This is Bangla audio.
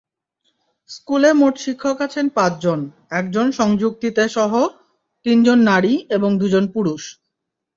স্কুলে মোট শিক্ষক আছেন পাঁচজন, একজন সংযুক্তিতেসহ তিনজন নারী এবং দুজন পুরুষ।